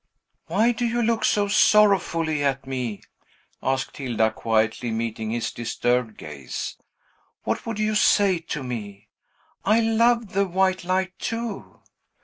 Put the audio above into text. "Why do you look so sorrowfully at me?" asked Hilda, quietly meeting his disturbed gaze. "What would you say to me? I love the white light too!"